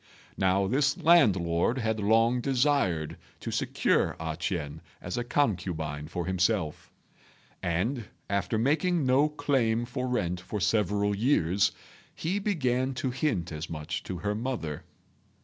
Now this landlord had long desired to secure A ch'ien as a concubine for himself; and, after making no claim for rent for several years, he began to hint as much to her mother.